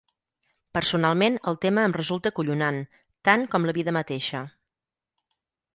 Personalment, el tema em resulta acollonant, tant com la vida mateixa.